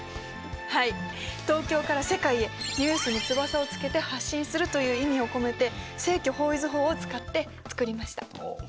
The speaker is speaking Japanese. はい東京から世界へニュースに翼をつけて発信するという意味を込めて正距方位図法を使って作りました。